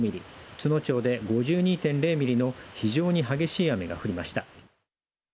都農町で５２．０ミリの非常に激しい雨が降りました。